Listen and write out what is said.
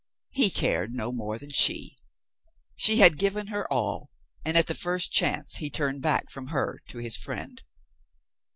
He cared no more than she. She had given her all and at the first chance he turned back from her to his friend.